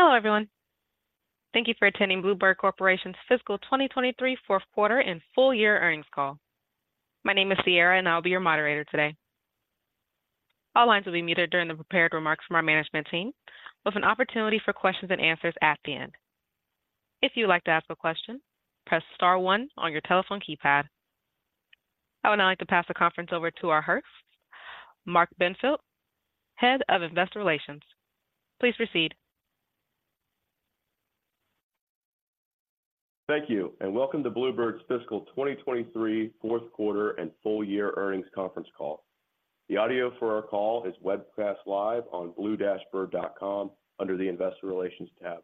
Hello, everyone. Thank you for attending Blue Bird Corporation's fiscal 2023 fourth quarter and full year earnings call. My name is Sierra, and I'll be your moderator today. All lines will be muted during the prepared remarks from our management team, with an opportunity for questions and answers at the end. If you'd like to ask a question, press star one on your telephone keypad. I would now like to pass the conference over to our host, Mark Benfield, Head of Investor Relations. Please proceed. Thank you, and welcome to Blue Bird's fiscal 2023 fourth quarter and full year earnings conference call. The audio for our call is webcast live on bluebird.com under the Investor Relations tab.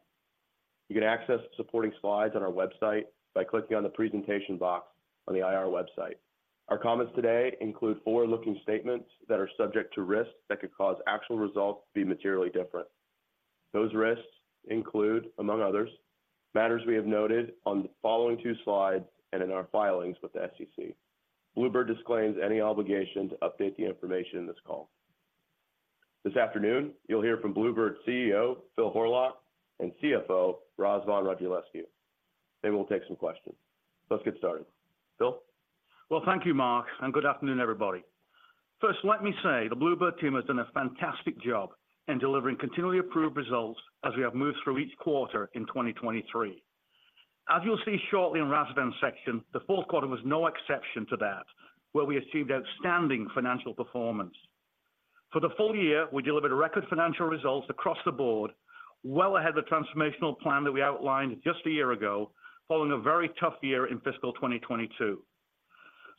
You can access supporting slides on our website by clicking on the presentation box on the IR website. Our comments today include forward-looking statements that are subject to risks that could cause actual results to be materially different. Those risks include, among others, matters we have noted on the following two slides and in our filings with the SEC. Blue Bird disclaims any obligation to update the information in this call. This afternoon, you'll hear from Blue Bird CEO, Phil Horlock, and CFO, Razvan Radulescu. They will take some questions. Let's get started. Phil? Well, thank you, Mark, and good afternoon, everybody. First, let me say, the Blue Bird team has done a fantastic job in delivering continually approved results as we have moved through each quarter in 2023. As you'll see shortly in Razvan's section, the fourth quarter was no exception to that, where we achieved outstanding financial performance. For the full year, we delivered a record financial results across the board, well ahead of the transformational plan that we outlined just a year ago, following a very tough year in fiscal 2022.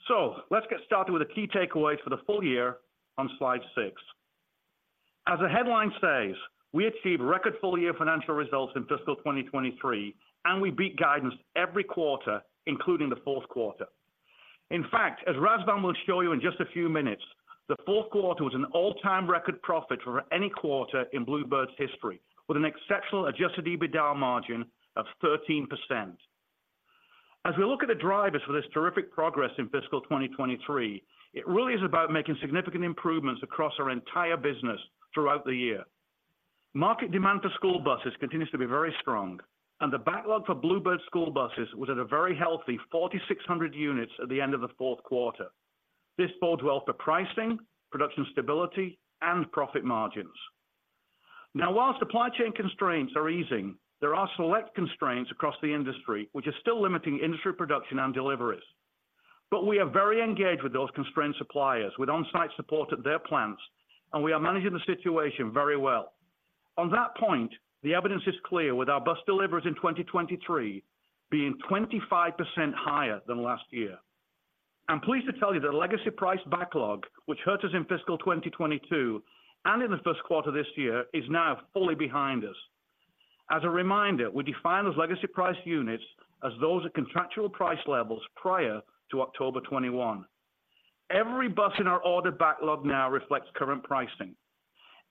So let's get started with the key takeaways for the full year on slide 6. As the headline says, we achieved record full-year financial results in fiscal 2023, and we beat guidance every quarter, including the fourth quarter. In fact, as Razvan will show you in just a few minutes, the fourth quarter was an all-time record profit for any quarter in Blue Bird's history, with an exceptional Adjusted EBITDA margin of 13%. As we look at the drivers for this terrific progress in fiscal 2023, it really is about making significant improvements across our entire business throughout the year. Market demand for school buses continues to be very strong, and the backlog for Blue Bird school buses was at a very healthy 4,600 units at the end of the fourth quarter. This bodes well for pricing, production stability, and profit margins. Now, while supply chain constraints are easing, there are select constraints across the industry, which are still limiting industry production and deliveries. But we are very engaged with those constrained suppliers with on-site support at their plants, and we are managing the situation very well. On that point, the evidence is clear with our bus deliveries in 2023 being 25% higher than last year. I'm pleased to tell you that the legacy price backlog, which hurt us in fiscal 2022 and in the first quarter of this year, is now fully behind us. As a reminder, we define those legacy price units as those at contractual price levels prior to October 2021. Every bus in our order backlog now reflects current pricing,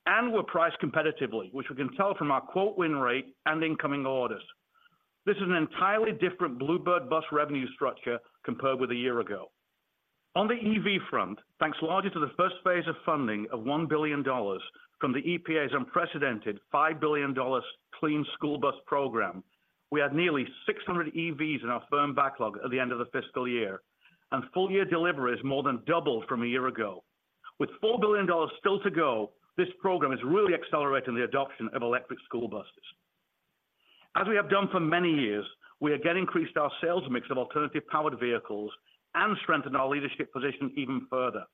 and we're priced competitively, which we can tell from our quote win rate and incoming orders. This is an entirely different Blue Bird bus revenue structure compared with a year ago. On the EV front, thanks largely to the first phase of funding of $1 billion from the EPA's unprecedented $5 billion Clean School Bus Program, we had nearly 600 EVs in our firm backlog at the end of the fiscal year, and full year delivery is more than double from a year ago. With $4 billion still to go, this program is really accelerating the adoption of electric school buses. As we have done for many years, we again increased our sales mix of alternative powered vehicles and strengthened our leadership position even further.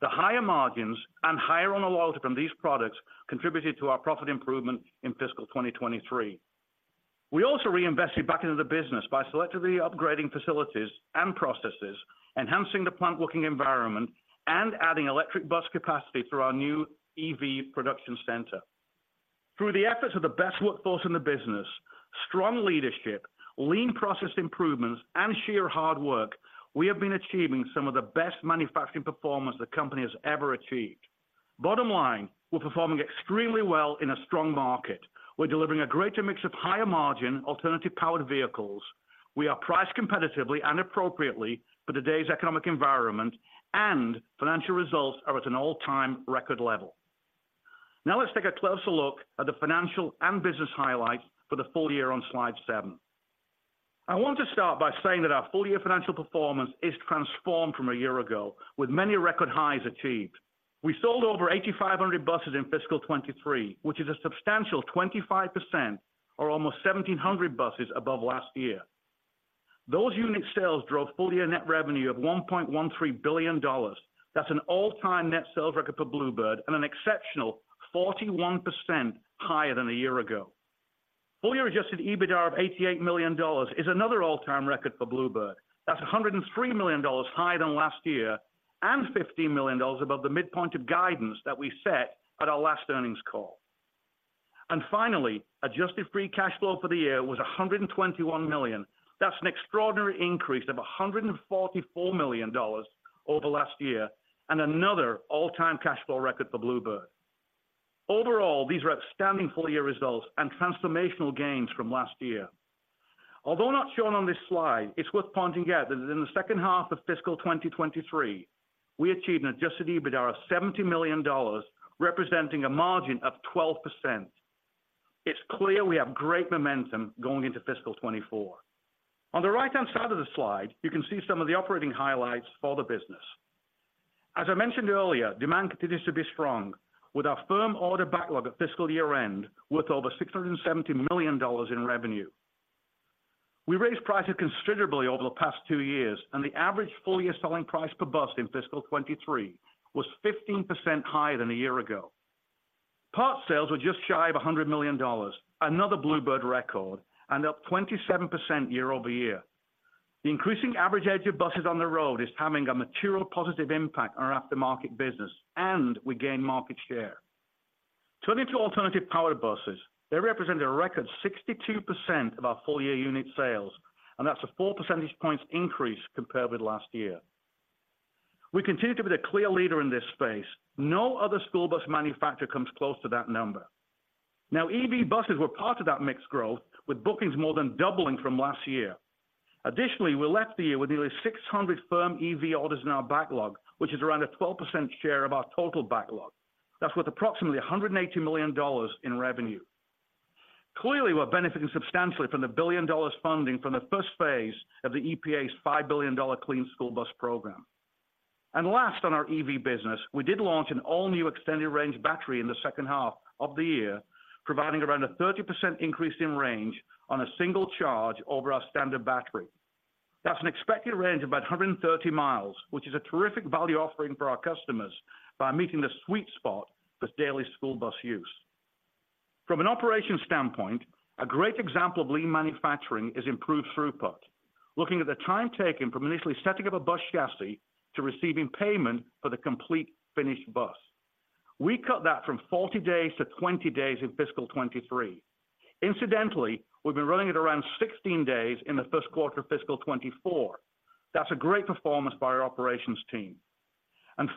The higher margins and higher loyalty from these products contributed to our profit improvement in fiscal 2023. We also reinvested back into the business by selectively upgrading facilities and processes, enhancing the plant working environment, and adding electric bus capacity through our new EV production center. Through the efforts of the best workforce in the business, strong leadership, lean process improvements, and sheer hard work, we have been achieving some of the best manufacturing performance the company has ever achieved. Bottom line, we're performing extremely well in a strong market. We're delivering a greater mix of higher-margin, alternative-powered vehicles. We are priced competitively and appropriately for today's economic environment, and financial results are at an all-time record level. Now, let's take a closer look at the financial and business highlights for the full year on slide 7. I want to start by saying that our full-year financial performance is transformed from a year ago, with many record highs achieved. We sold over 8,500 buses in fiscal 2023, which is a substantial 25% or almost 1,700 buses above last year. Those unit sales drove full-year net revenue of $1.13 billion. That's an all-time net sales record for Blue Bird and an exceptional 41% higher than a year ago. Full-year Adjusted EBITDA of $88 million is another all-time record for Blue Bird. That's $103 million higher than last year and $15 million above the midpoint of guidance that we set at our last earnings call. And finally, Adjusted Free Cash Flow for the year was $121 million. That's an extraordinary increase of $144 million over last year and another all-time cash flow record for Blue Bird. Overall, these are outstanding full-year results and transformational gains from last year. Although not shown on this slide, it's worth pointing out that in the second half of fiscal 2023, we achieved an adjusted EBITDA of $70 million, representing a margin of 12%. It's clear we have great momentum going into fiscal 2024. On the right-hand side of the slide, you can see some of the operating highlights for the business. As I mentioned earlier, demand continues to be strong, with our firm order backlog at fiscal year-end worth over $670 million in revenue. We raised prices considerably over the past two years, and the average full-year selling price per bus in fiscal 2023 was 15% higher than a year ago. Part sales were just shy of $100 million, another Blue Bird record, and up 27% year-over-year. The increasing average age of buses on the road is having a material positive impact on our aftermarket business, and we gain market share. Turning to alternative powered buses, they represented a record 62% of our full-year unit sales, and that's a 4 percentage points increase compared with last year. We continue to be the clear leader in this space. No other school bus manufacturer comes close to that number. Now, EV buses were part of that mixed growth, with bookings more than doubling from last year. Additionally, we left the year with nearly 600 firm EV orders in our backlog, which is around a 12% share of our total backlog. That's worth approximately $180 million in revenue. Clearly, we're benefiting substantially from the $1 billion funding from the first phase of the EPA's $5 billion Clean School Bus Program. And last, on our EV business, we did launch an all-new extended range battery in the second half of the year, providing around a 30% increase in range on a single charge over our standard battery. That's an expected range of about 130 mi, which is a terrific value offering for our customers by meeting the sweet spot for daily school bus use. From an operations standpoint, a great example of lean manufacturing is improved throughput. Looking at the time taken from initially setting up a bus chassis to receiving payment for the complete finished bus. We cut that from 40 days-20 days in fiscal 2023. Incidentally, we've been running at around 16 days in the first quarter of fiscal 2024. That's a great performance by our operations team.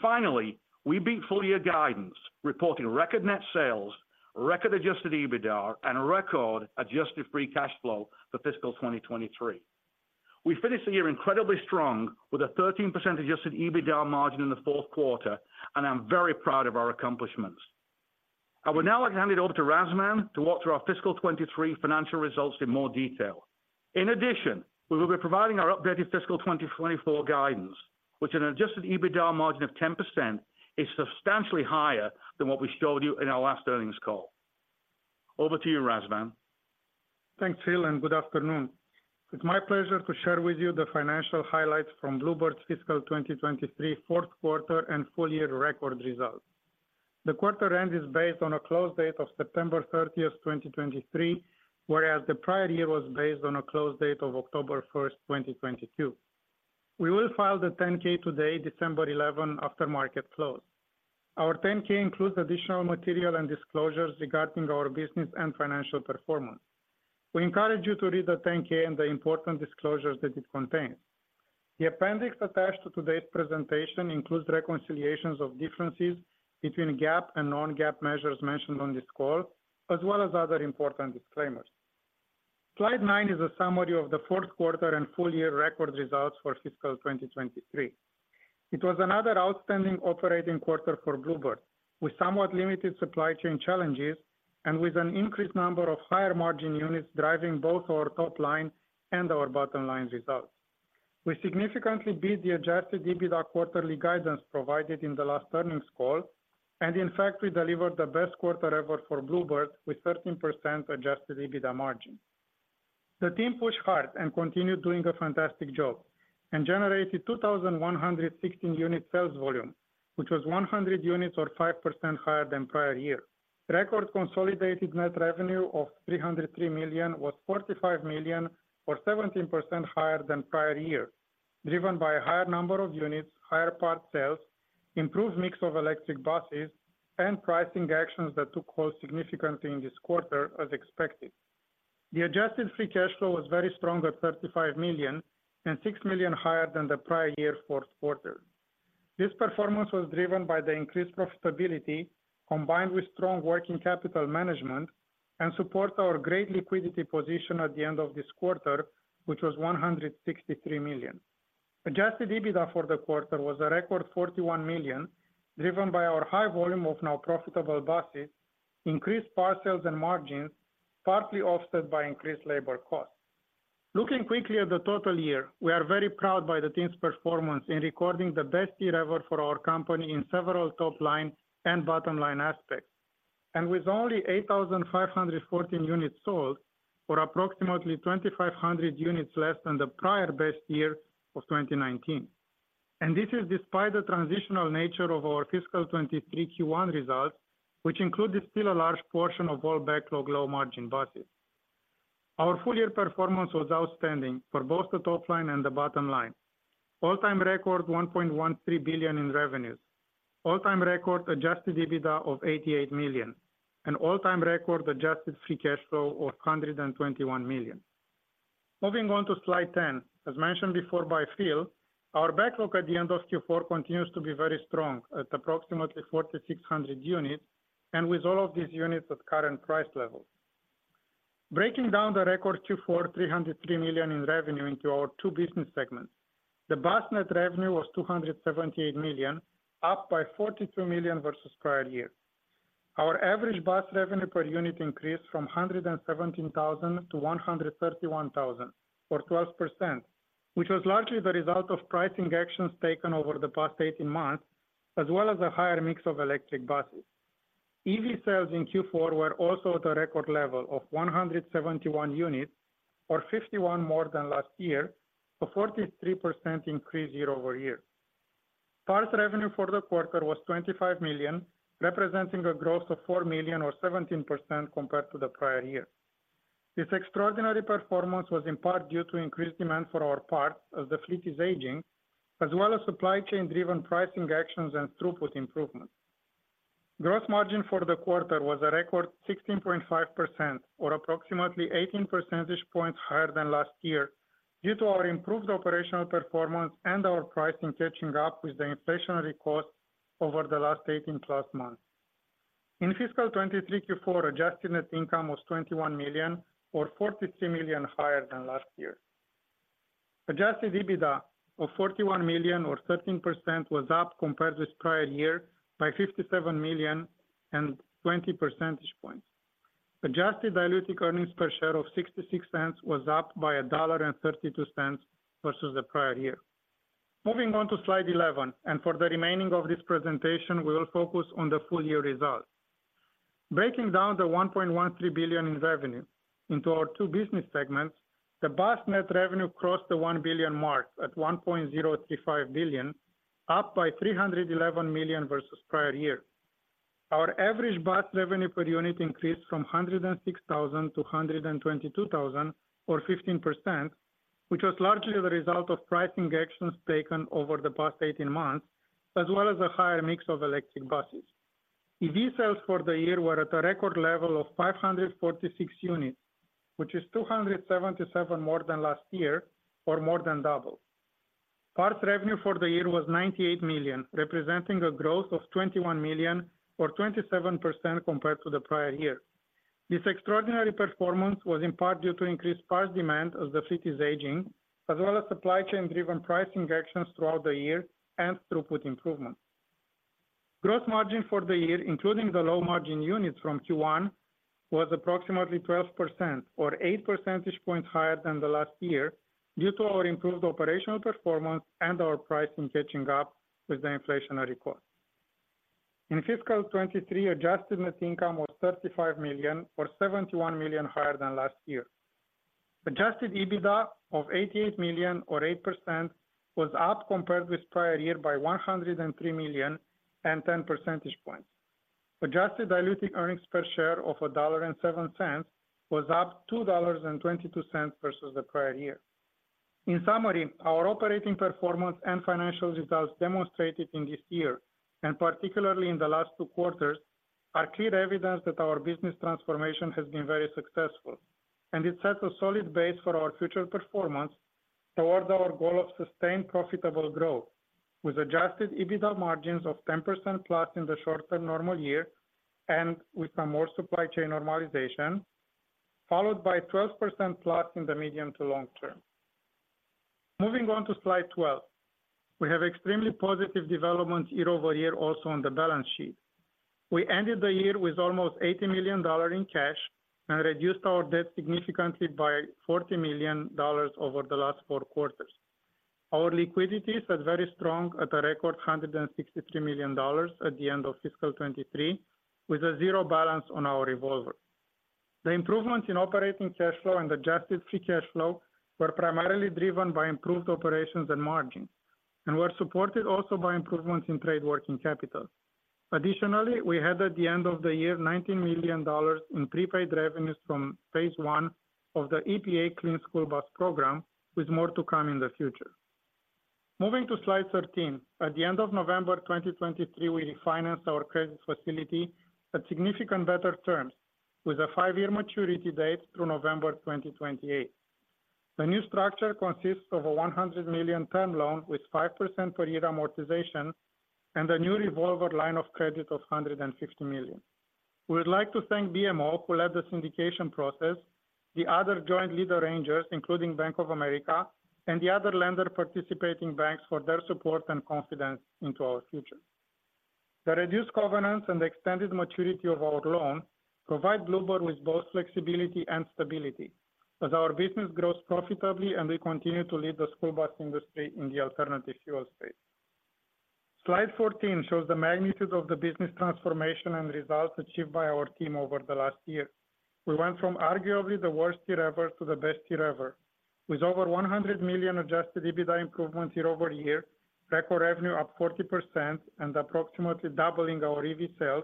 Finally, we beat full-year guidance, reporting record net sales, record adjusted EBITDA, and a record adjusted free cash flow for fiscal 2023. We finished the year incredibly strong, with a 13% adjusted EBITDA margin in the fourth quarter, and I'm very proud of our accomplishments. I would now like to hand it over to Razvan to walk through our fiscal 2023 financial results in more detail. In addition, we will be providing our updated fiscal 2024 guidance, which an adjusted EBITDA margin of 10% is substantially higher than what we showed you in our last earnings call. Over to you, Razvan. Thanks, Phil, and good afternoon. It's my pleasure to share with you the financial highlights from Blue Bird's fiscal 2023 fourth quarter, and full-year record results. The quarter end is based on a close date of September 30th, 2023, whereas the prior year was based on a close date of October 1st, 2022. We will file the 10-K today, December 11th, after market close. Our 10-K includes additional material and disclosures regarding our business and financial performance. We encourage you to read the 10-K and the important disclosures that it contains. The appendix attached to today's presentation includes reconciliations of differences between GAAP and non-GAAP measures mentioned on this call, as well as other important disclaimers. Slide 9 is a summary of the fourth quarter and full-year record results for fiscal 2023. It was another outstanding operating quarter for Blue Bird, with somewhat limited supply chain challenges and with an increased number of higher-margin units driving both our top line and our bottom line results. We significantly beat the adjusted EBITDA quarterly guidance provided in the last earnings call, and in fact, we delivered the best quarter ever for Blue Bird with 13% adjusted EBITDA margin. The team pushed hard and continued doing a fantastic job and generated 2,116 unit sales volume, which was 100 units or 5% higher than prior year. Record consolidated net revenue of $303 million was $45 million or 17% higher than prior year, driven by a higher number of units, higher part sales, improved mix of electric buses, and pricing actions that took hold significantly in this quarter as expected. The Adjusted Free Cash Flow was very strong at $35 million and $6 million higher than the prior year's fourth quarter. This performance was driven by the increased profitability, combined with strong working capital management and supports our great liquidity position at the end of this quarter, which was $163 million. Adjusted EBITDA for the quarter was a record $41 million, driven by our high volume of now profitable buses, increased parts sales and margins, partly offset by increased labor costs. Looking quickly at the total year, we are very proud by the team's performance in recording the best year ever for our company in several top-line and bottom-line aspects, and with only 8,514 units sold, or approximately 2,500 units less than the prior best year of 2019. This is despite the transitional nature of our fiscal 2023 Q1 results, which included still a large portion of all backlog, low-margin buses. Our full-year performance was outstanding for both the top line and the bottom line. All-time record $1.13 billion in revenues. All-time record Adjusted EBITDA of $88 million. An all-time record adjusted free cash flow of $121 million. Moving on to slide 10. As mentioned before by Phil, our backlog at the end of Q4 continues to be very strong at approximately 4,600 units... and with all of these units at current price levels. Breaking down the record Q4 $303 million in revenue into our two business segments, the bus net revenue was $278 million, up by $42 million versus prior year. Our average bus revenue per unit increased from $117,000-$131,000, or 12%, which was largely the result of pricing actions taken over the past 18 months, as well as a higher mix of electric buses. EV sales in Q4 were also at a record level of 171 units, or 51 more than last year, a 43% increase year-over-year. Parts revenue for the quarter was $25 million, representing a growth of $4 million or 17% compared to the prior year. This extraordinary performance was in part due to increased demand for our parts as the fleet is aging, as well as supply chain-driven pricing actions and throughput improvements. Gross margin for the quarter was a record 16.5%, or approximately 18 percentage points higher than last year, due to our improved operational performance and our pricing catching up with the inflationary costs over the last 18+ months. In fiscal 2023 Q4, adjusted net income was $21 million, or $43 million higher than last year. Adjusted EBITDA of $41 million or 13% was up compared with prior year by $57 million and 20 percentage points. Adjusted diluted earnings per share of $0.66 was up by $1.32 versus the prior year. Moving on to slide 11, and for the remaining of this presentation, we will focus on the full year results. Breaking down the $1.13 billion in revenue into our two business segments, the bus net revenue crossed the one billion mark at $1.035 billion, up by $311 million versus prior year. Our average bus revenue per unit increased from $106,000 to $122,000, or 15%, which was largely the result of pricing actions taken over the past eighteen months, as well as a higher mix of electric buses. EV sales for the year were at a record level of 546 units, which is 277 more than last year, or more than double. Parts revenue for the year was $98 million, representing a growth of $21 million or 27% compared to the prior year. This extraordinary performance was in part due to increased parts demand as the fleet is aging, as well as supply chain-driven pricing actions throughout the year and throughput improvements. Gross margin for the year, including the low margin units from Q1, was approximately 12% or 8 percentage points higher than the last year, due to our improved operational performance and our pricing catching up with the inflationary costs. In fiscal 2023, adjusted net income was $35 million or $71 million higher than last year. Adjusted EBITDA of $88 million or 8% was up compared with prior year by $103 million and 10 percentage points. Adjusted diluted earnings per share of $1.07 was up $2.22 versus the prior year. In summary, our operating performance and financial results demonstrated in this year, and particularly in the last two quarters, are clear evidence that our business transformation has been very successful, and it sets a solid base for our future performance towards our goal of sustained, profitable growth, with Adjusted EBITDA margins of 10%+ in the short-term normal year and with some more supply chain normalization, followed by 12%+ in the medium to long term. Moving on to slide 12. We have extremely positive developments year-over-year also on the balance sheet. We ended the year with almost $80 million in cash and reduced our debt significantly by $40 million over the last four quarters. Our liquidity is at very strong, at a record $163 million at the end of fiscal 2023, with a zero balance on our revolver. The improvements in operating cash flow and adjusted free cash flow were primarily driven by improved operations and margins, and were supported also by improvements in trade working capital. Additionally, we had, at the end of the year, $19 million in prepaid revenues from phase one of the EPA Clean School Bus Program, with more to come in the future. Moving to slide 13. At the end of November 2023, we refinanced our credit facility at significantly better terms with a five year maturity date through November 2028. The new structure consists of a $100 million term loan with 5% per year amortization and a new revolver line of credit of $150 million. We would like to thank BMO, who led the syndication process, the other joint leader arrangers, including Bank of America and the other lender participating banks, for their support and confidence into our future. The reduced governance and the extended maturity of our loan provide Blue Bird with both flexibility and stability as our business grows profitably and we continue to lead the school bus industry in the alternative fuel space. Slide 14 shows the magnitude of the business transformation and results achieved by our team over the last year. We went from arguably the worst year ever to the best year ever, with over $100 million Adjusted EBITDA improvements year-over-year, record revenue up 40% and approximately doubling our EV sales,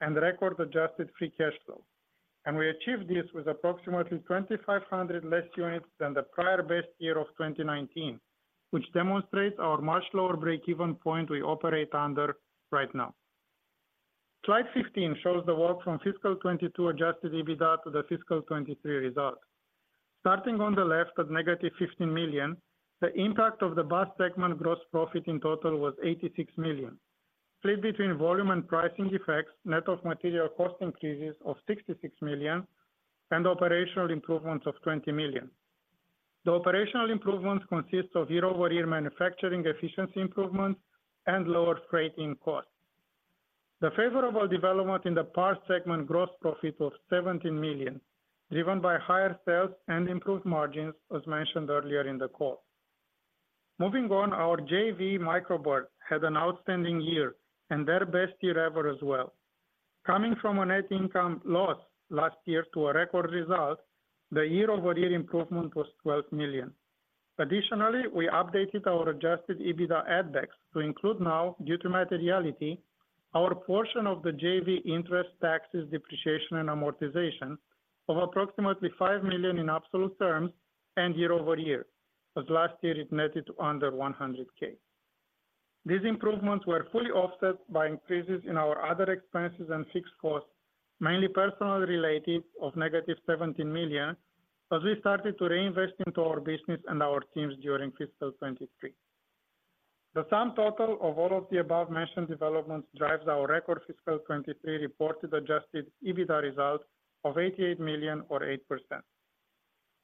and record Adjusted Free Cash Flow. We achieved this with approximately 2,500 less units than the prior best year of 2019, which demonstrates our much lower break-even point we operate under right now. Slide 15 shows the work from fiscal 2022 Adjusted EBITDA to the fiscal 2023 results. Starting on the left at -$15 million, the impact of the bus segment gross profit in total was $86 million. Split between volume and pricing effects, net of material cost increases of $66 million, and operational improvements of $20 million. The operational improvements consist of year-over-year manufacturing efficiency improvements and lower freight in costs. The favorable development in the parts segment gross profit was $17 million, driven by higher sales and improved margins, as mentioned earlier in the call. Moving on, our JV, Micro Bird, had an outstanding year, and their best year ever as well. Coming from a net income loss last year to a record result, the year-over-year improvement was $12 million. Additionally, we updated our Adjusted EBITDA add backs to include now, due to materiality, our portion of the JV interest, taxes, depreciation, and amortization of approximately $5 million in absolute terms and year over year, as last year it netted to under $100K. These improvements were fully offset by increases in our other expenses and fixed costs, mainly personnel related, of -$17 million, as we started to reinvest into our business and our teams during fiscal 2023. The sum total of all of the above-mentioned developments drives our record fiscal 2023 reported Adjusted EBITDA result of $88 million or 8%.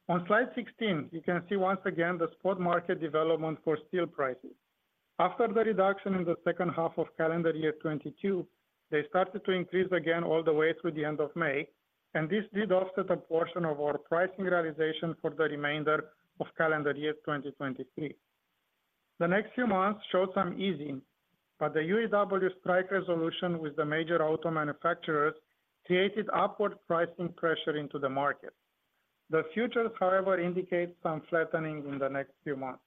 On slide 16, you can see once again the spot market development for steel prices. After the reduction in the second half of calendar year 2022, they started to increase again all the way through the end of May, and this did offset a portion of our pricing realization for the remainder of calendar year 2023. The next few months showed some easing, but the UAW strike resolution with the major auto manufacturers created upward pricing pressure into the market. The futures, however, indicate some flattening in the next few months.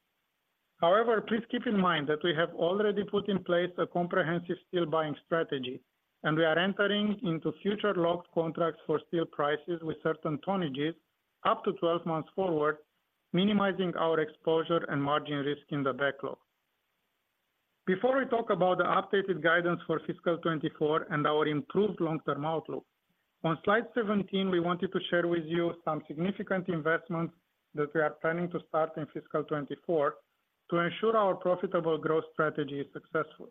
However, please keep in mind that we have already put in place a comprehensive steel buying strategy, and we are entering into future locked contracts for steel prices with certain tonnages up to 12 months forward, minimizing our exposure and margin risk in the backlog. Before we talk about the updated guidance for fiscal 2024 and our improved long-term outlook, on slide 17, we wanted to share with you some significant investments that we are planning to start in fiscal 2024 to ensure our profitable growth strategy is successful.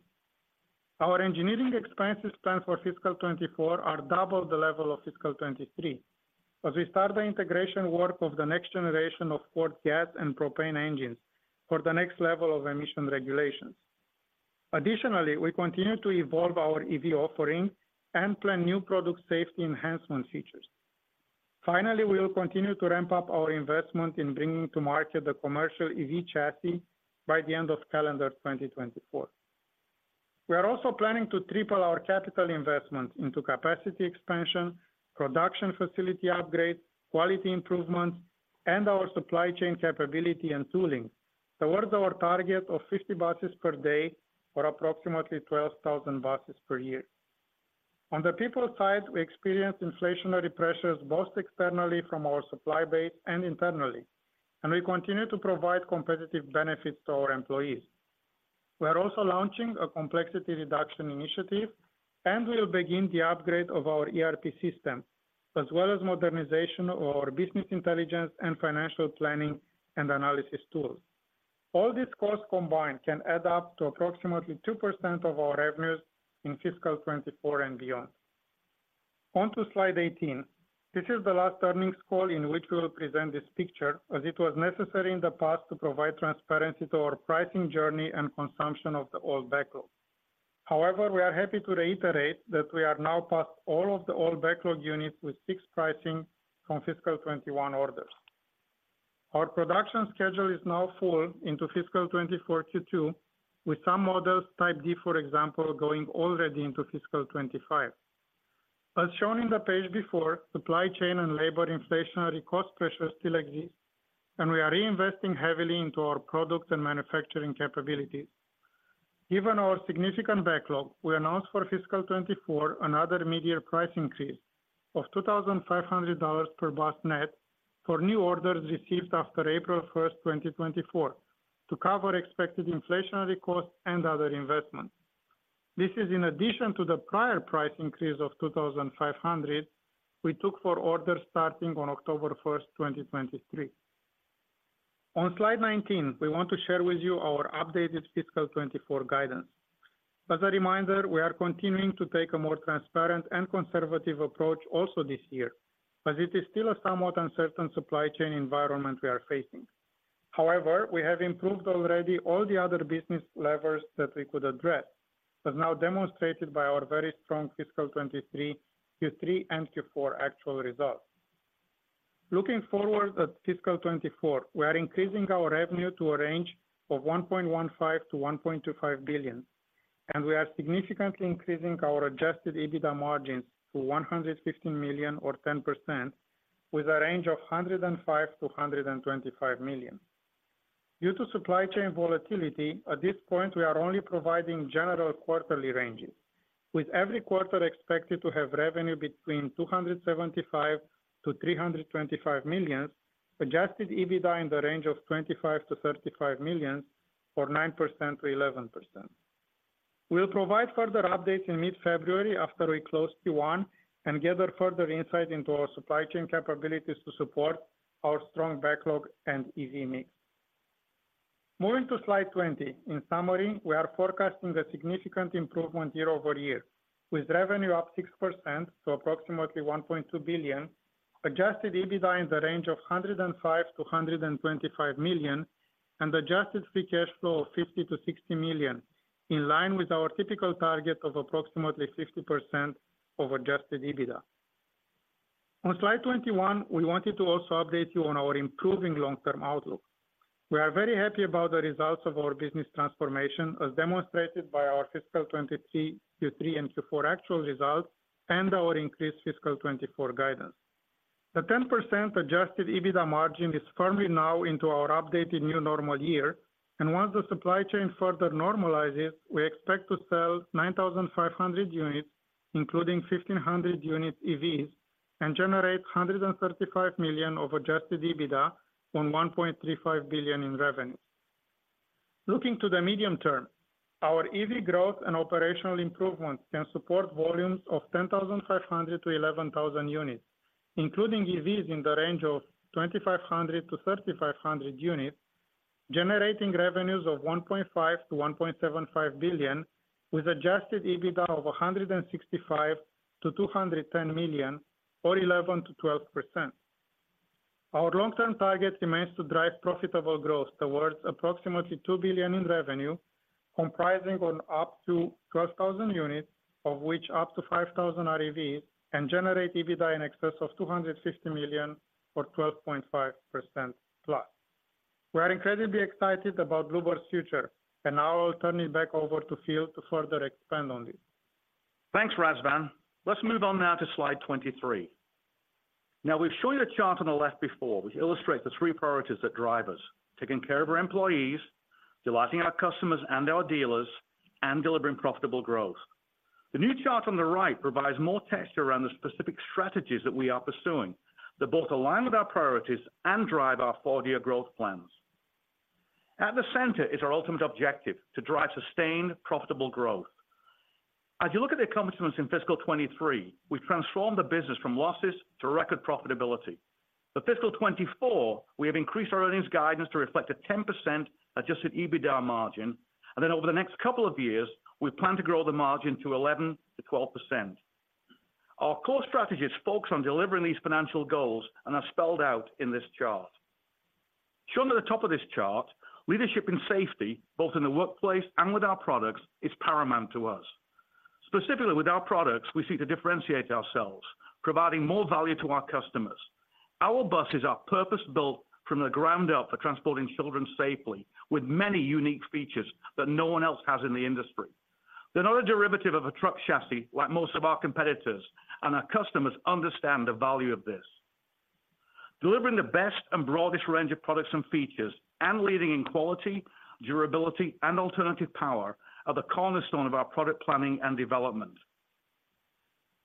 Our engineering expenses planned for fiscal 2024 are double the level of fiscal 2023, as we start the integration work of the next generation of Ford gas and propane engines for the next level of emission regulations. Additionally, we continue to evolve our EV offering and plan new product safety enhancement features. Finally, we will continue to ramp up our investment in bringing to market the commercial EV chassis by the end of calendar 2024. We are also planning to triple our capital investment into capacity expansion, production facility upgrades, quality improvements, and our supply chain capability and tooling towards our target of 50 buses per day for approximately 12,000 buses per year. On the people side, we experienced inflationary pressures, both externally from our supply base and internally, and we continue to provide competitive benefits to our employees. We are also launching a complexity reduction initiative, and we will begin the upgrade of our ERP system, as well as modernization of our business intelligence and financial planning and analysis tools. All these costs combined can add up to approximately 2% of our revenues in fiscal 2024 and beyond. On to slide 18. This is the last earnings call in which we will present this picture, as it was necessary in the past to provide transparency to our pricing journey and consumption of the old backlog. However, we are happy to reiterate that we are now past all of the old backlog units with fixed pricing from fiscal 2021 orders. Our production schedule is now full into fiscal 2024, with some models, Type D, for example, going already into fiscal 2025. As shown in the page before, supply chain and labor inflationary cost pressures still exist, and we are reinvesting heavily into our product and manufacturing capabilities. Given our significant backlog, we announced for fiscal 2024 another mid-year price increase of $2,500 per bus net for new orders received after April 1st, 2024, to cover expected inflationary costs and other investments. This is in addition to the prior price increase of $2,500 we took for orders starting on October 1st, 2023. On slide 19, we want to share with you our updated fiscal 2024 guidance. As a reminder, we are continuing to take a more transparent and conservative approach also this year, as it is still a somewhat uncertain supply chain environment we are facing. However, we have improved already all the other business levers that we could address, as now demonstrated by our very strong fiscal 2023, Q3 and Q4 actual results. Looking forward at fiscal 2024, we are increasing our revenue to a range of $1.15-$1.25 billion, and we are significantly increasing our Adjusted EBITDA margins to $150 million or 10%, with a range of $105-$125 million. Due to supply chain volatility, at this point, we are only providing general quarterly ranges, with every quarter expected to have revenue between $275 million-$325 million, Adjusted EBITDA in the range of $25 million-$35 million or 9%-11%. We'll provide further updates in mid-February after we close Q1, and gather further insight into our supply chain capabilities to support our strong backlog and EV mix. Moving to slide 20. In summary, we are forecasting a significant improvement year-over-year, with revenue up 6% to approximately $1.2 billion, Adjusted EBITDA in the range of $105 million-$125 million, and adjusted free cash flow of $50 million-$60 million, in line with our typical target of approximately 60% of Adjusted EBITDA. On slide 21, we wanted to also update you on our improving long-term outlook. We are very happy about the results of our business transformation, as demonstrated by our fiscal 2023 to 2024 actual results, and our increased fiscal 2024 guidance. The 10% Adjusted EBITDA margin is firmly now into our updated new normal year, and once the supply chain further normalizes, we expect to sell 9,500 units, including 1,500 unit EVs, and generate $135 million of Adjusted EBITDA on $1.35 billion in revenue. Looking to the medium term, our EV growth and operational improvements can support volumes of 10,500-11,000 units, including EVs in the range of 2,500-3,500 units, generating revenues of $1.5-$1.75 billion, with Adjusted EBITDA of $165-$210 million, or 11%-12%. Our long-term target remains to drive profitable growth towards approximately $2 billion in revenue, comprising on up to 12,000 units, of which up to 5,000 are EVs, and generate EBITDA in excess of $250 million or 12.5%+. We are incredibly excited about Blue Bird's future, and now I'll turn it back over to Phil to further expand on this. Thanks, Razvan. Let's move on now to slide 23. Now, we've shown you the chart on the left before, which illustrates the three priorities that drive us: taking care of our employees, delighting our customers and our dealers, and delivering profitable growth. The new chart on the right provides more texture around the specific strategies that we are pursuing, that both align with our priorities and drive our four-year growth plans. At the center is our ultimate objective, to drive sustained, profitable growth. As you look at the accomplishments in fiscal 2023, we've transformed the business from losses to record profitability. For fiscal 2024, we have increased our earnings guidance to reflect a 10% Adjusted EBITDA margin, and then over the next couple of years, we plan to grow the margin to 11%-12%. Our core strategies focus on delivering these financial goals and are spelled out in this chart. Shown at the top of this chart, leadership and safety, both in the workplace and with our products, is paramount to us. Specifically with our products, we seek to differentiate ourselves, providing more value to our customers. Our buses are purpose-built from the ground up for transporting children safely, with many unique features that no one else has in the industry. They're not a derivative of a truck chassis, like most of our competitors, and our customers understand the value of this. Delivering the best and broadest range of products and features, and leading in quality, durability, and alternative power, are the cornerstone of our product planning and development.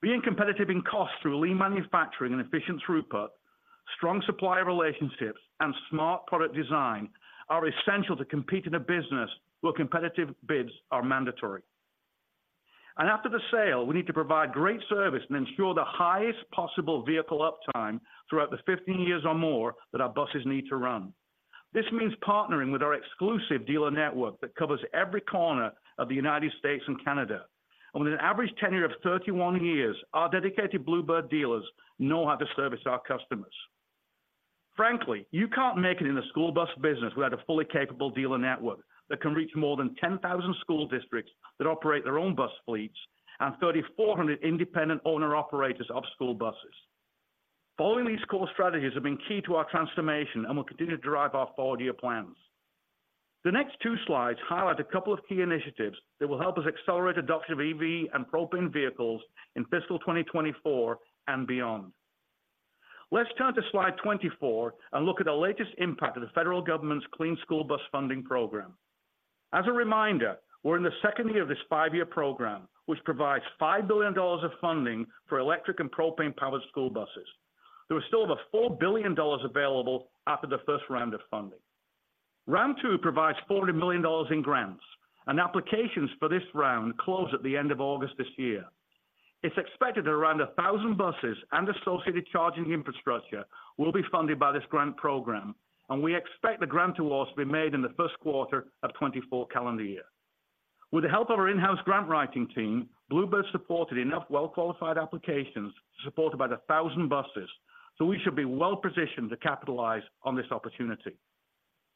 Being competitive in cost through lean manufacturing and efficient throughput, strong supplier relationships, and smart product design are essential to compete in a business where competitive bids are mandatory. After the sale, we need to provide great service and ensure the highest possible vehicle uptime throughout the 15 years or more that our buses need to run. This means partnering with our exclusive dealer network that covers every corner of the United States and Canada. With an average tenure of 31 years, our dedicated Blue Bird dealers know how to service our customers. Frankly, you can't make it in the school bus business without a fully capable dealer network that can reach more than 10,000 school districts that operate their own bus fleets, and 3,400 independent owner-operators of school buses. Following these core strategies have been key to our transformation and will continue to drive our four-year plans. The next two slides highlight a couple of key initiatives that will help us accelerate adoption of EV and propane vehicles in fiscal 2024 and beyond. Let's turn to slide 24 and look at the latest impact of the federal government's Clean School Bus Program. As a reminder, we're in the second year of this five-year program, which provides $5 billion of funding for electric and propane-powered school buses. There are still over $4 billion available after the first round of funding. Round two provides $40 million in grants, and applications for this round close at the end of August this year. It's expected that around 1,000 buses and associated charging infrastructure will be funded by this grant program, and we expect the grant awards to be made in the first quarter of 2024 calendar year. With the help of our in-house grant writing team, Blue Bird supported enough well-qualified applications to support about 1,000 buses, so we should be well positioned to capitalize on this opportunity.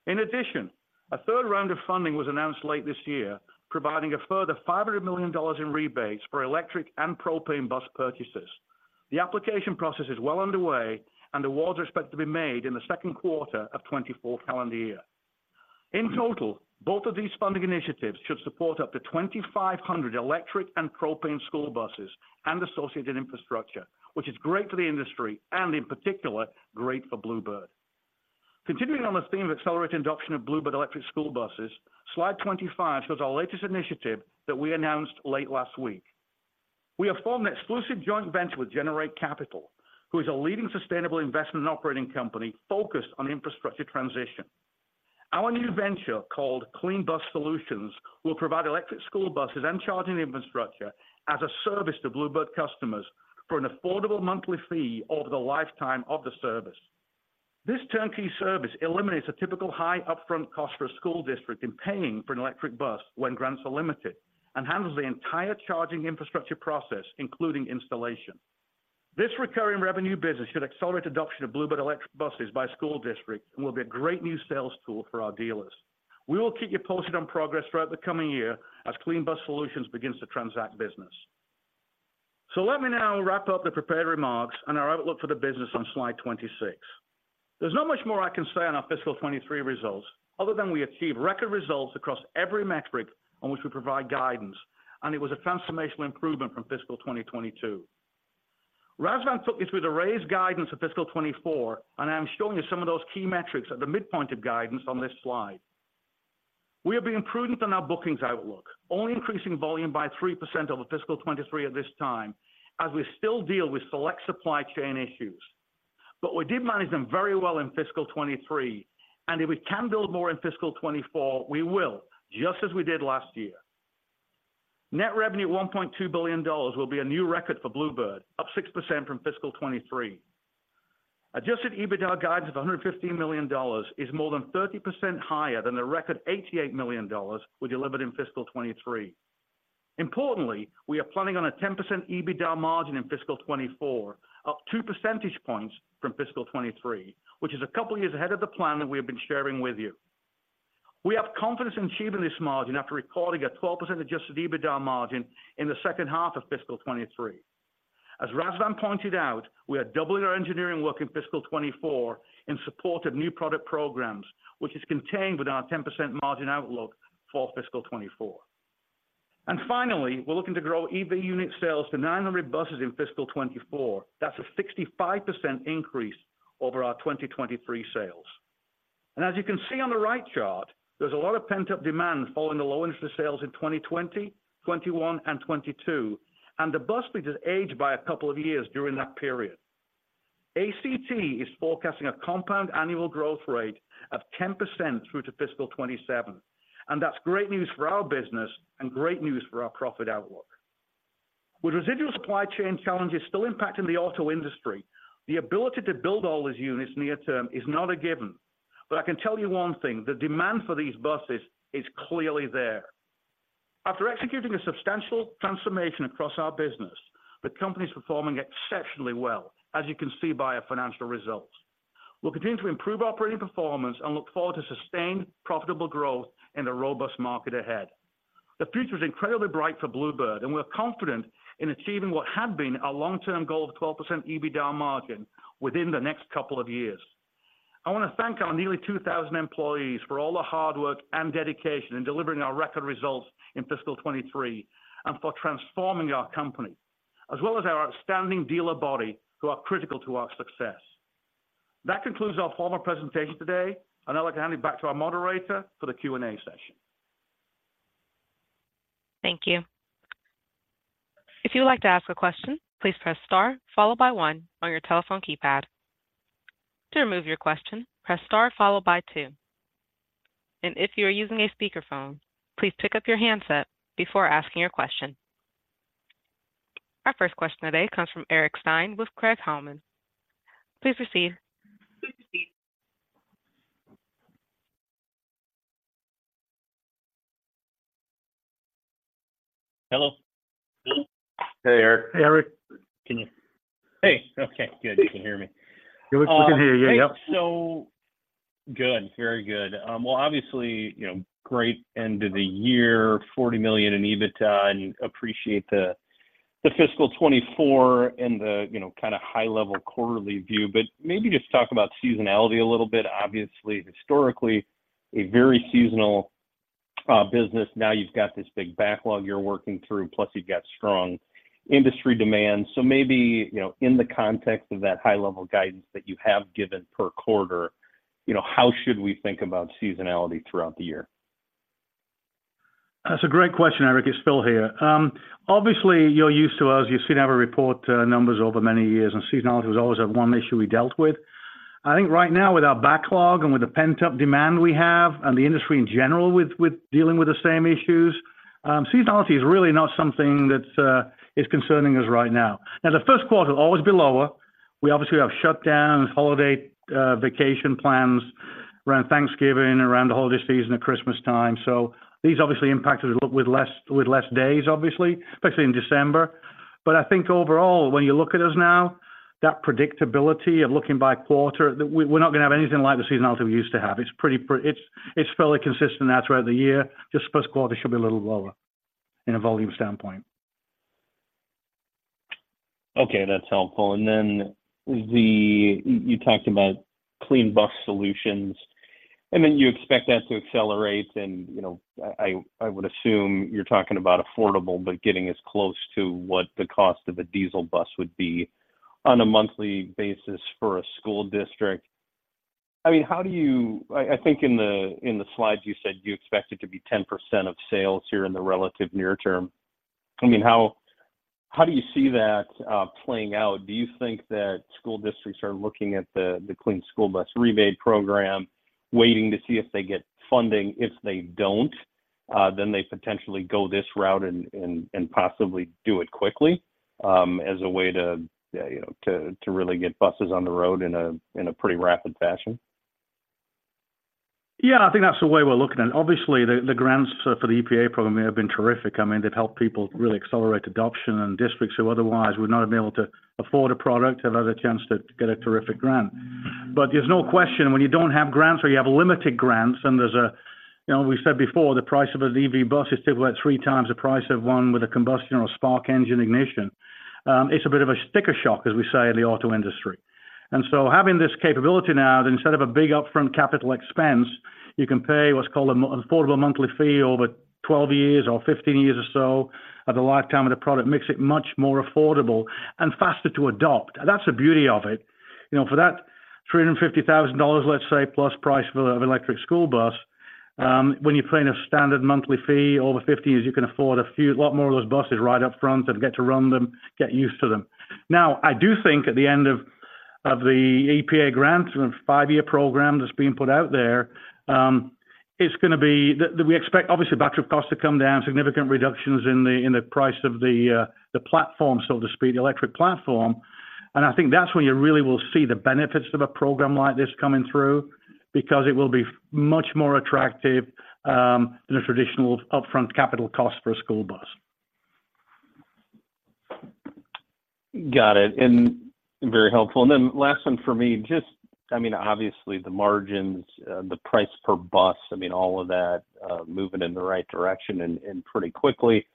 In addition, a third round of funding was announced late this year, providing a further $500 million in rebates for electric and propane bus purchases. The application process is well underway, and awards are expected to be made in the second quarter of 2024 calendar year. In total, both of these funding initiatives should support up to 2,500 electric and propane school buses and associated infrastructure, which is great for the industry and, in particular, great for Blue Bird. Continuing on this theme of accelerated adoption of Blue Bird electric school buses, slide 25 shows our latest initiative that we announced late last week. We have formed an exclusive joint venture with Generate Capital, who is a leading sustainable investment and operating company focused on infrastructure transition. Our new venture, called Clean Bus Solutions, will provide electric school buses and charging infrastructure as a service to Blue Bird customers for an affordable monthly fee over the lifetime of the service. This turnkey service eliminates a typical high upfront cost for a school district in paying for an electric bus when grants are limited, and handles the entire charging infrastructure process, including installation. This recurring revenue business should accelerate adoption of Blue Bird electric buses by school districts and will be a great new sales tool for our dealers. We will keep you posted on progress throughout the coming year as Clean Bus Solutions begins to transact business. So let me now wrap up the prepared remarks and our outlook for the business on slide 26. There's not much more I can say on our fiscal 2023 results, other than we achieved record results across every metric on which we provide guidance, and it was a transformational improvement from fiscal 2022. Razvan took you through the raised guidance of fiscal 2024, and I'm showing you some of those key metrics at the midpoint of guidance on this slide. We are being prudent in our bookings outlook, only increasing volume by 3% over fiscal 2023 at this time, as we still deal with select supply chain issues. But we did manage them very well in fiscal 2023, and if we can build more in fiscal 2024, we will, just as we did last year. Net revenue of $1.2 billion will be a new record for Blue Bird, up 6% from fiscal 2023. Adjusted EBITDA guidance of $115 million is more than 30% higher than the record $88 million we delivered in fiscal 2023. Importantly, we are planning on a 10% EBITDA margin in fiscal 2024, up two percentage points from fiscal 2023, which is a couple of years ahead of the plan that we have been sharing with you. We have confidence in achieving this margin after recording a 12% adjusted EBITDA margin in the second half of fiscal 2023. As Razvan pointed out, we are doubling our engineering work in fiscal 2024 in support of new product programs, which is contained within our 10% margin outlook for fiscal 2024. And finally, we're looking to grow EV unit sales to 900 buses in fiscal 2024. That's a 65% increase over our 2023 sales. And as you can see on the right chart, there's a lot of pent-up demand following the low interest of sales in 2020, 2021, and 2022, and the bus fleet has aged by a couple of years during that period. ACT is forecasting a compound annual growth rate of 10% through to fiscal 2027, and that's great news for our business and great news for our profit outlook. With residual supply chain challenges still impacting the auto industry, the ability to build all these units near term is not a given. But I can tell you one thing, the demand for these buses is clearly there. After executing a substantial transformation across our business, the company is performing exceptionally well, as you can see by our financial results. We'll continue to improve operating performance and look forward to sustained, profitable growth in the robust market ahead. The future is incredibly bright for Blue Bird, and we're confident in achieving what had been our long-term goal of 12% EBITDA margin within the next couple of years. I want to thank our nearly 2,000 employees for all the hard work and dedication in delivering our record results in fiscal 2023 and for transforming our company, as well as our outstanding dealer body, who are critical to our success. That concludes our formal presentation today, and I'd like to hand it back to our moderator for the Q&A session. Thank you. If you would like to ask a question, please press star followed by one on your telephone keypad. To remove your question, press star followed by two. If you are using a speakerphone, please pick up your handset before asking your question. Our first question today comes from Eric Stine with Craig-Hallum. Please proceed. Hello? Hello. Hey, Eric. Hey, Eric. Hey, okay, good. You can hear me. We can hear you. Yep. So good. Very good. Well, obviously, you know, great end of the year, $40 million in EBITDA, and appreciate the, the fiscal 2024 and the, you know, kind of high-level quarterly view. But maybe just talk about seasonality a little bit. Obviously, historically, a very seasonal business. Now you've got this big backlog you're working through, plus you've got strong industry demand. So maybe, you know, in the context of that high level of guidance that you have given per quarter, you know, how should we think about seasonality throughout the year? That's a great question, Eric. It's Phil here. Obviously, you're used to us. You've seen our report numbers over many years, and seasonality was always that one issue we dealt with. I think right now, with our backlog and with the pent-up demand we have, and the industry in general with dealing with the same issues, seasonality is really not something that is concerning us right now. Now, the first quarter will always be lower. We obviously have shutdowns, holiday vacation plans around Thanksgiving, around the holiday season at Christmas time. So these obviously impacted with less days, obviously, especially in December. But I think overall, when you look at us now, that predictability of looking by quarter, we're not going to have anything like the seasonality we used to have. It's pretty. It's fairly consistent throughout the year. Just first quarter should be a little lower in a volume standpoint. Okay, that's helpful. And then you talked about Clean Bus Solutions, and then you expect that to accelerate. And, you know, I would assume you're talking about affordable, but getting as close to what the cost of a diesel bus would be on a monthly basis for a school district. I mean, how do you-- I think in the slides you said you expect it to be 10% of sales here in the relative near term. I mean, how do you see that playing out? Do you think that school districts are looking at the Clean School Bus Rebate program, waiting to see if they get funding? If they don't, then they potentially go this route and possibly do it quickly, as a way to, you know, to really get buses on the road in a pretty rapid fashion? Yeah, I think that's the way we're looking at it. Obviously, the grants for the EPA program have been terrific. I mean, they've helped people really accelerate adoption, and districts who otherwise would not have been able to afford a product, have had a chance to get a terrific grant. But there's no question when you don't have grants or you have limited grants, then there's a-- You know, we said before, the price of an EV bus is still about three times the price of one with a combustion or a spark engine ignition. It's a bit of a sticker shock, as we say in the auto industry. Having this capability now, that instead of a big upfront capital expense, you can pay what's called an affordable monthly fee over 12 years or 15 years or so, of the lifetime of the product, makes it much more affordable and faster to adopt. That's the beauty of it. You know, for that $350,000, let's say, plus price of an electric school bus, when you're paying a standard monthly fee over 50 years, you can afford a few... a lot more of those buses right up front and get to run them, get used to them. Now, I do think at the end of, of the EPA grant, and a 5-year program that's being put out there, it's gonna be... That we expect, obviously, battery costs to come down, significant reductions in the price of the platform, so to speak, the electric platform. And I think that's when you really will see the benefits of a program like this coming through, because it will be much more attractive than a traditional upfront capital cost for a school bus. Got it, and very helpful. And then last one for me, just, I mean, obviously, the margins, the price per bus, I mean, all of that, moving in the right direction and, and pretty quickly.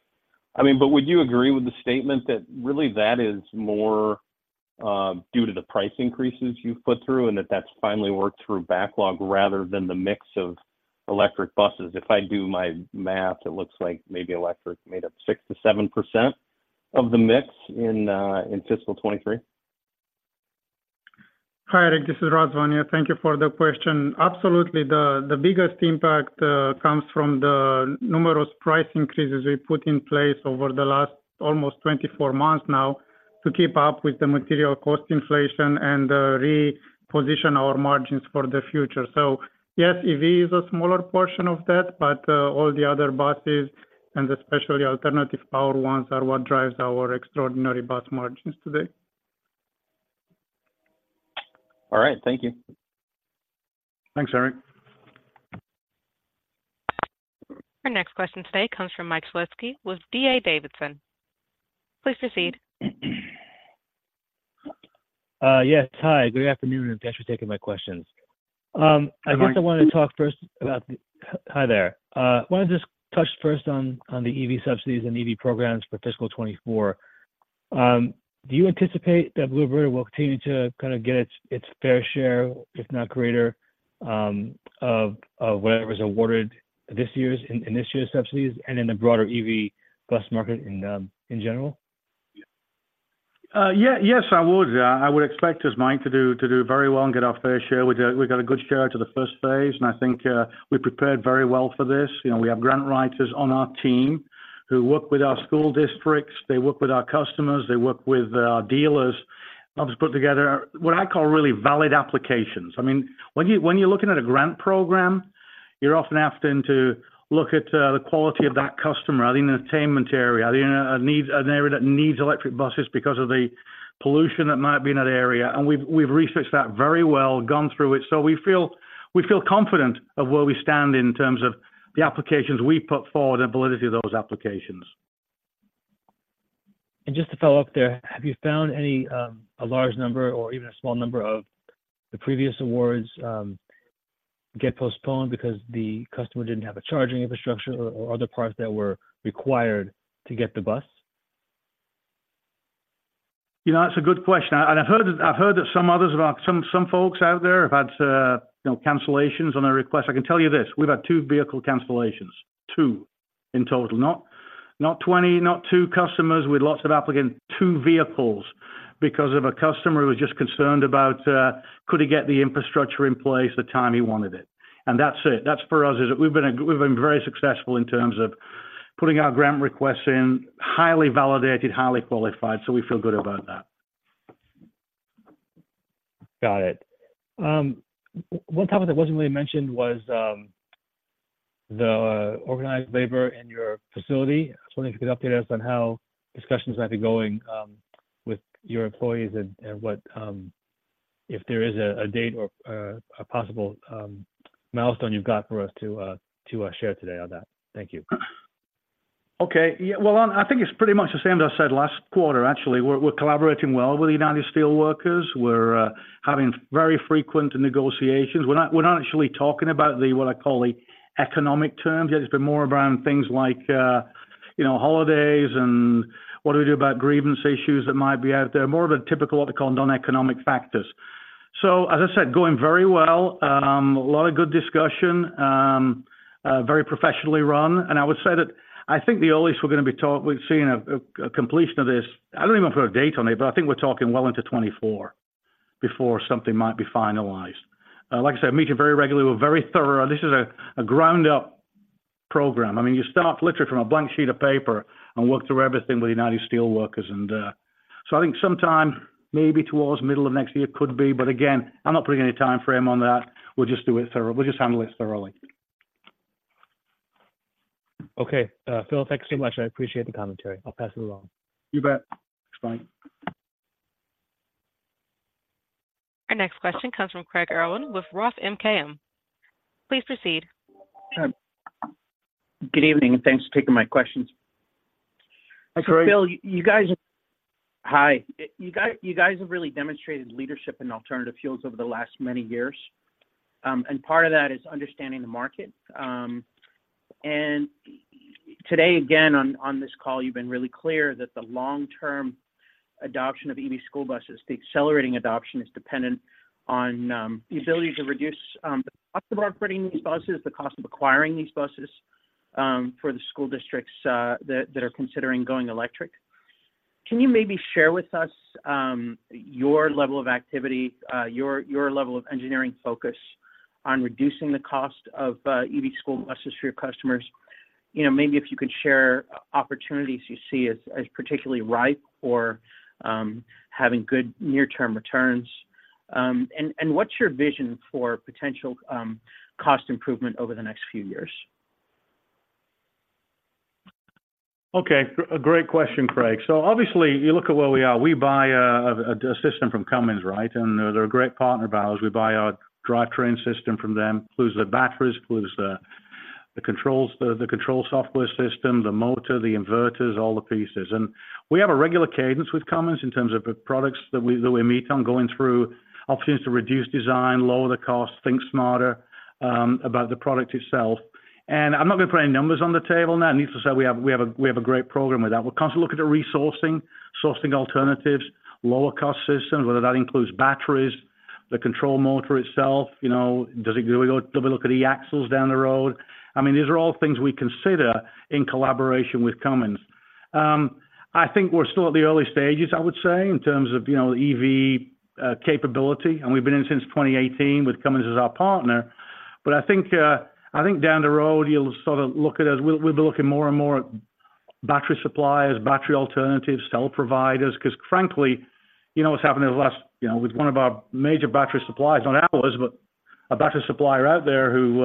I mean, but would you agree with the statement that really that is more, due to the price increases you've put through, and that that's finally worked through backlog rather than the mix of electric buses? If I do my math, it looks like maybe electric made up 6%-7% of the mix in, in fiscal 2023. Hi, Eric, this is Razvan. Thank you for the question. Absolutely, the biggest impact comes from the numerous price increases we put in place over the last almost 24 months now, to keep up with the material cost inflation and, reposition our margins for the future. So yes, EV is a smaller portion of that, but, all the other buses, and especially alternative power ones, are what drives our extraordinary bus margins today. All right, thank you. Thanks, Eric. Our next question today comes from Mike Shlisky with D.A. Davidson. Please proceed. Yes, hi, good afternoon, and thanks for taking my questions. I guess I want to talk first about the- Hi Hi there. I want to just touch first on the EV subsidies and EV programs for fiscal 2024. Do you anticipate that Blue Bird will continue to kinda get its fair share, if not greater, of whatever is awarded this year's in this year's subsidies and in the broader EV bus market in general? Yeah, yes, I would. I would expect us, Mike, to do very well and get our fair share. We got a good share to the first phase, and I think we prepared very well for this. You know, we have grant writers on our team who work with our school districts, they work with our customers, they work with our dealers, help us put together what I call really valid applications. I mean, when you're looking at a grant program, you're often asked them to look at the quality of that customer, are they in an attainment area? Are they in an area that needs electric buses because of the pollution that might be in that area? And we've researched that very well, gone through it. We feel confident of where we stand in terms of the applications we put forward and validity of those applications. Just to follow up there, have you found any, a large number or even a small number of the previous awards, get postponed because the customer didn't have a charging infrastructure or, or other parts that were required to get the bus? You know, that's a good question. I've heard that, I've heard that some others of our—some folks out there have had, you know, cancellations on our request. I can tell you this, we've had two vehicle cancellations. Two in total. Not, not 20, not two customers with lots of applicants, two vehicles, because of a customer who was just concerned about could he get the infrastructure in place the time he wanted it? That's it. That's for us, is we've been very successful in terms of putting our grant requests in, highly validated, highly qualified, so we feel good about that. Got it. One topic that wasn't really mentioned was the organized labor in your facility. I was wondering if you could update us on how discussions have been going with your employees and, and what if there is a date or a possible milestone you've got for us to to share today on that. Thank you. Okay. Yeah, well, I think it's pretty much the same as I said last quarter, actually. We're collaborating well with the United Steelworkers. We're having very frequent negotiations. We're not actually talking about what I call the economic terms yet. It's been more around things like you know, holidays and what do we do about grievance issues that might be out there. More of a typical what they call non-economic factors. So as I said, going very well, a lot of good discussion, very professionally run. And I would say that I think the earliest we've seen a completion of this, I don't even put a date on it, but I think we're talking well into 2024 before something might be finalized. Like I said, meeting very regularly. We're very thorough. This is a ground up program. I mean, you start literally from a blank sheet of paper and work through everything with the United Steelworkers. And so I think sometime maybe towards middle of next year could be, but again, I'm not putting any time frame on that. We'll just handle it thoroughly. Okay, Phil, thanks so much. I appreciate the commentary. I'll pass it along. You bet. Thanks, bye. Our next question comes from Craig Irwin with Roth MKM. Please proceed. Good evening, and thanks for taking my questions. Hi, Craig. Phil, you guys have really demonstrated leadership in alternative fuels over the last many years. And part of that is understanding the market. And today, again, on this call, you've been really clear that the long-term adoption of EV school buses, the accelerating adoption, is dependent on the ability to reduce the cost of operating these buses, the cost of acquiring these buses, for the school districts that are considering going electric. Can you maybe share with us your level of activity, your level of engineering focus on reducing the cost of EV school buses for your customers? You know, maybe if you could share opportunities you see as particularly ripe or having good near-term returns. And what's your vision for potential cost improvement over the next few years? Okay, a great question, Craig. So obviously, you look at where we are. We buy a system from Cummins, right? And they're a great partner of ours. We buy our drivetrain system from them, includes the batteries, includes the controls, the control software system, the motor, the inverters, all the pieces. And we have a regular cadence with Cummins in terms of the products that we meet on, going through options to reduce design, lower the cost, think smarter about the product itself. And I'm not gonna put any numbers on the table now. Needless to say, we have a great program with that. We're constantly looking at resourcing, sourcing alternatives, lower cost systems, whether that includes batteries, the control motor itself, you know. Does it? Do we go, do we look at e-axles down the road? I mean, these are all things we consider in collaboration with Cummins. I think we're still at the early stages, I would say, in terms of, you know, EV capability, and we've been in since 2018 with Cummins as our partner. But I think, I think down the road, you'll sort of look at us... We'll be looking more and more at battery suppliers, battery alternatives, cell providers, 'cause frankly, you know what's happened over the last, you know, with one of our major battery suppliers, not ours, but a battery supplier out there who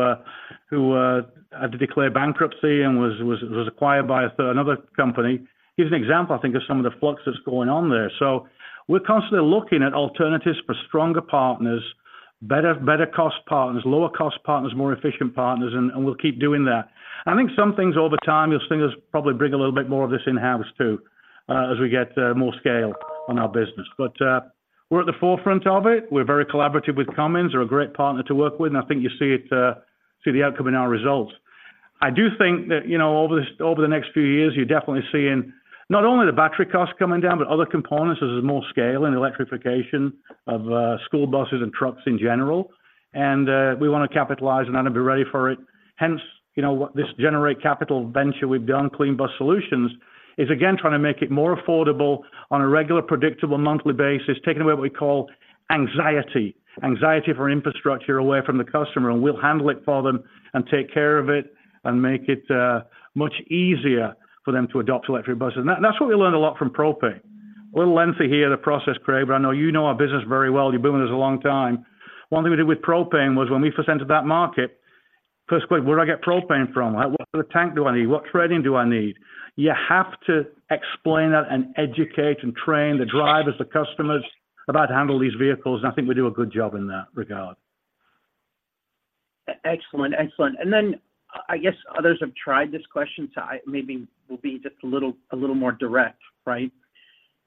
had to declare bankruptcy and was acquired by a third, another company. Here's an example, I think, of some of the flux that's going on there. So we're constantly looking at alternatives for stronger partners, better, better cost partners, lower cost partners, more efficient partners, and, and we'll keep doing that. I think some things over time, you'll see us probably bring a little bit more of this in-house too, as we get more scale on our business. But we're at the forefront of it. We're very collaborative with Cummins, they're a great partner to work with, and I think you see it, see the outcome in our results. I do think that, you know, over the next few years, you're definitely seeing not only the battery costs coming down, but other components as there's more scale and electrification of school buses and trucks in general. And we want to capitalize on that and be ready for it. Hence, you know, what this Generate Capital venture we've done, Clean Bus Solutions, is again trying to make it more affordable on a regular, predictable monthly basis, taking away what we call anxiety. Anxiety for infrastructure away from the customer, and we'll handle it for them and take care of it and make it much easier for them to adopt electric buses. And that, that's what we learned a lot from propane. A little lengthy here, the process, Craig, but I know you know our business very well. You've been with us a long time. One thing we did with propane was when we first entered that market, first question, where do I get propane from? What sort of tank do I need? What training do I need? You have to explain that and educate and train the drivers, the customers, about how to handle these vehicles, and I think we do a good job in that regard. Excellent, excellent. Then I guess others have tried this question, so I maybe will be just a little, a little more direct, right?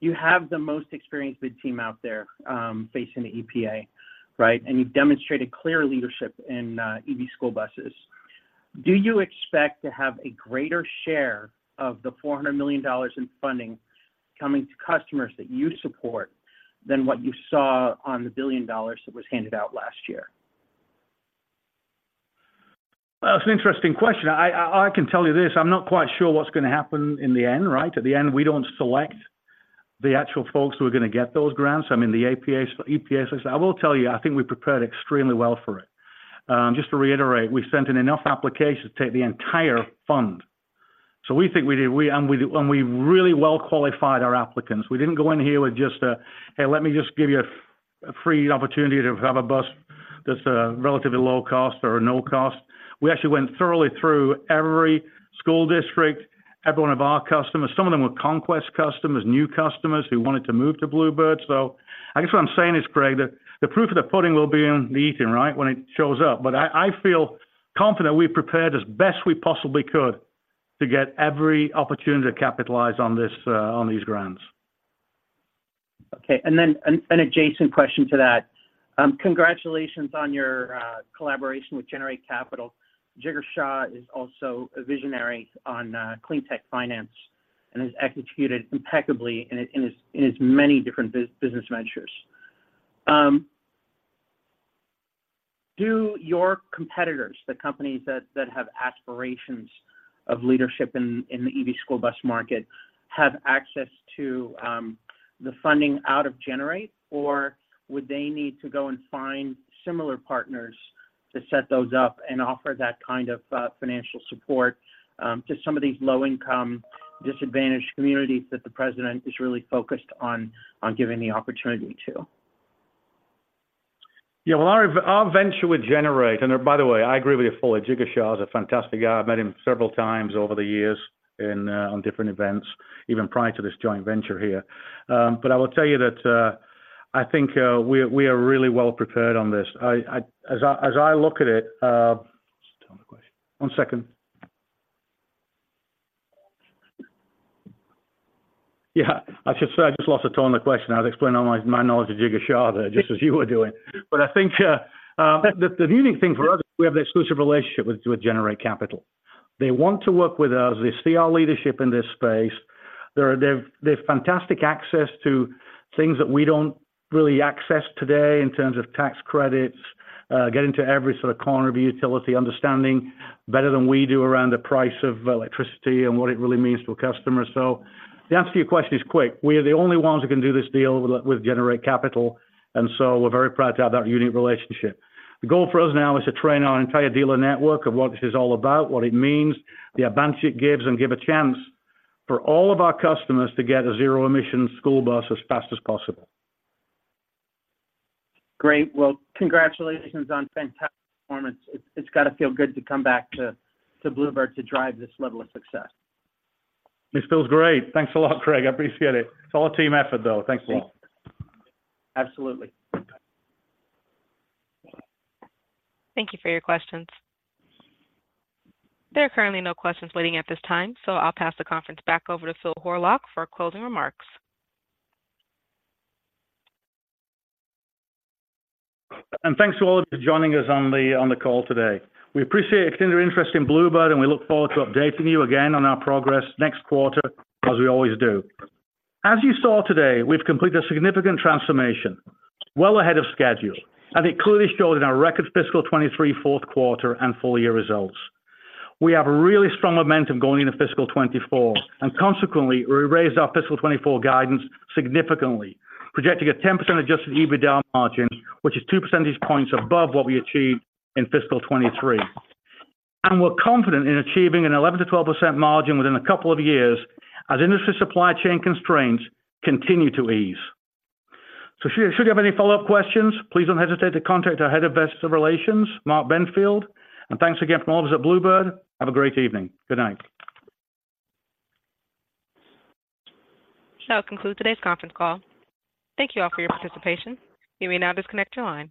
You have the most experienced bid team out there facing the EPA, right? And you've demonstrated clear leadership in EV school buses. Do you expect to have a greater share of the $400 million in funding coming to customers that you support than what you saw on the $1 billion that was handed out last year? Well, it's an interesting question. I can tell you this: I'm not quite sure what's gonna happen in the end, right? At the end, we don't select the actual folks who are gonna get those grants. I mean, the EPA... I will tell you, I think we prepared extremely well for it. Just to reiterate, we sent in enough applications to take the entire fund. So we think we did. We really well qualified our applicants. We didn't go in here with just a, "Hey, let me just give you a free opportunity to have a bus that's relatively low cost or no cost." We actually went thoroughly through every school district, every one of our customers. Some of them were conquest customers, new customers who wanted to move to Blue Bird. So I guess what I'm saying is, Craig, that the proof of the pudding will be in the eating, right? When it shows up. But I, I feel confident we prepared as best we possibly could to get every opportunity to capitalize on this, on these grants. Okay, and then an adjacent question to that. Congratulations on your collaboration with Generate Capital. Jigar Shah is also a visionary on clean tech finance and has executed impeccably in his many different business ventures. Do your competitors, the companies that have aspirations of leadership in the EV school bus market, have access to the funding out of Generate, or would they need to go and find similar partners to set those up and offer that kind of financial support to some of these low-income, disadvantaged communities that the president is really focused on giving the opportunity to? Yeah, well, our venture with Generate and by the way, I agree with you fully. Jigar Shah is a fantastic guy. I've met him several times over the years in on different events, even prior to this joint venture here. But I will tell you that, I think, we are really well prepared on this. As I look at it. Just tell me the question. One second. Yeah, I should say, I just lost the tone of the question. I was explaining all my knowledge of Jigar Shah there, just as you were doing. But I think, the unique thing for us, we have the exclusive relationship with Generate Capital. They want to work with us. They see our leadership in this space. They've fantastic access to things that we don't really access today in terms of tax credits, getting to every sort of corner of utility, understanding better than we do around the price of electricity and what it really means to a customer. So the answer to your question is quick. We are the only ones who can do this deal with Generate Capital, and so we're very proud to have that unique relationship. The goal for us now is to train our entire dealer network of what this is all about, what it means, the advantage it gives, and give a chance for all of our customers to get a zero-emission school bus as fast as possible. Great. Well, congratulations on fantastic performance. It's got to feel good to come back to Blue Bird to drive this level of success. It feels great. Thanks a lot, Craig. I appreciate it. It's all a team effort, though. Thanks a lot. Absolutely. Thank you for your questions. There are currently no questions waiting at this time, so I'll pass the conference back over to Phil Horlock for closing remarks. Thanks to all of you for joining us on the call today. We appreciate your continued interest in Blue Bird, and we look forward to updating you again on our progress next quarter, as we always do. As you saw today, we've completed a significant transformation well ahead of schedule, and it clearly showed in our record fiscal 2023 fourth quarter and full-year results. We have a really strong momentum going into fiscal 2024, and consequently, we raised our fiscal 2024 guidance significantly, projecting a 10% Adjusted EBITDA margin, which is two percentage points above what we achieved in fiscal 2023. And we're confident in achieving an 11%-12% margin within a couple of years as industry supply chain constraints continue to ease. Should you have any follow-up questions, please don't hesitate to contact our Head of Investor Relations, Mark Benfield. Thanks again from all of us at Blue Bird. Have a great evening. Good night. That concludes today's conference call. Thank you all for your participation. You may now disconnect your line.